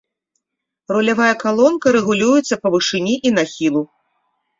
Рулявая калонка рэгулюецца па вышыні і нахілу.